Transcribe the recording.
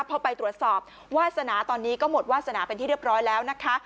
พอไปตรวจสอบวาสนาตอนนี้ก็หมดวาสนาเป็นที่เรียบร้อยแล้วนะคะ